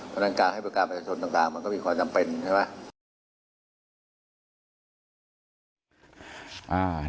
เพราะฉะนั้นการให้บริการประชาชนต่างมันก็มีความจำเป็นใช่ไหม